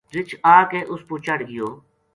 رچھ آ کے اس پو چڑھ گیو